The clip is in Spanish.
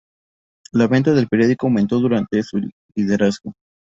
La venta del periódico aumentó durante su liderazgo.